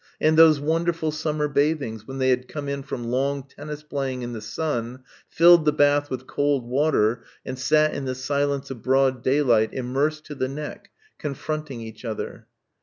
and those wonderful summer bathings when they had come in from long tennis playing in the sun, filled the bath with cold water and sat in the silence of broad daylight immersed to the neck, confronting each other.